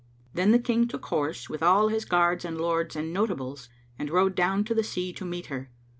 Then the King took horse, with all his guards and lords and notables and rode down to the sea to meet her.